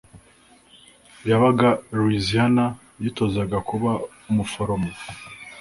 yabaga louisiana, yitozaga kuba umuforomo